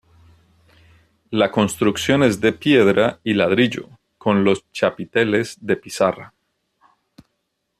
La construcción es de piedra y ladrillo, con los chapiteles de pizarra.